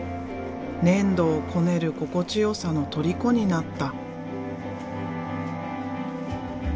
粘土をこねる心地よさのとりこになった。